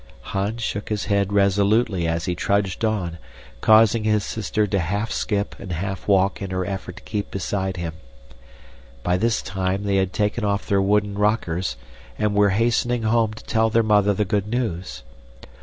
Hans shook his head resolutely as he trudged on, causing his sister to half skip and half walk in her effort to keep beside him. By this time they had taken off their wooden "rockers" and were hastening home to tell their mother the good news.